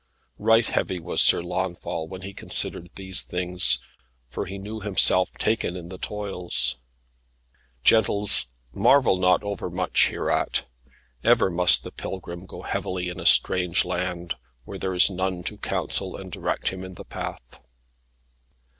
Right heavy was Sir Launfal, when he considered these things, for he knew himself taken in the toils. Gentles, marvel not overmuch hereat. Ever must the pilgrim go heavily in a strange land, where there is none to counsel and direct him in the path.